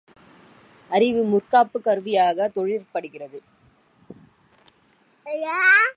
அறிவு, முற்காப்புக் கருவியாகவும் தொழிற்படுகிறது.